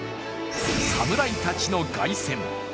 侍たちの凱旋。